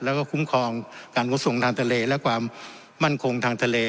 แล้วก็คุ้มครองการขนส่งทางทะเลและความมั่นคงทางทะเล